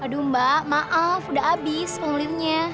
aduh mbak maaf udah abis formulirnya